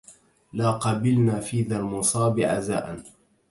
لا قبلنا في ذا المصاب عزاء